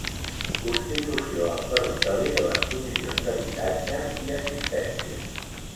Constitució al territori de les comissions d'habitatge i assistència.